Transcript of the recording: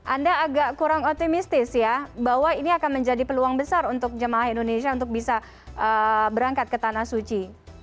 anda agak kurang optimistis ya bahwa ini akan menjadi peluang besar untuk jemaah indonesia untuk bisa berangkat ke tanah suci